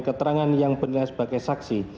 keterangan yang benar sebagai saksi